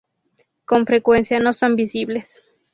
Con frecuencia no son visibles.